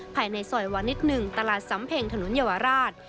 ภายในซอยวานิส๑ตลาดสำเพ็งถนนเยาวราช